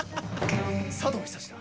佐藤久志だ。